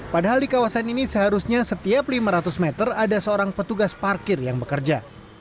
padahal di kawasan ini seharusnya setiap lima ratus meter ada seorang petugas parkir yang bekerja